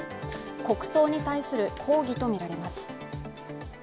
国葬に対する抗議とみられます。